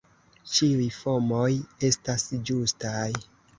Ĉiuj formoj estas ĝustaj.